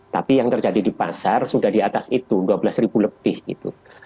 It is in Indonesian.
tapi yang terjadi di pasar sudah di atas itu dua belas ribu lebih gitu